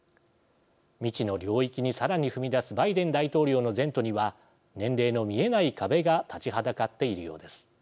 未知の領域にさらに踏み出すバイデン大統領の前途には年齢の見えない壁が立ちはだかっているようです。